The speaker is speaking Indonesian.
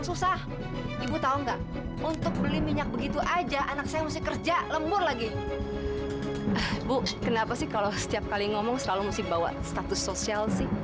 sampai jumpa di video selanjutnya